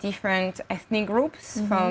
dari negara negara lain